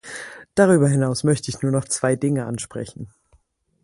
Darüber hinaus möchte ich nur noch zwei Dinge ansprechen.